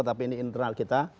tapi ini internal kita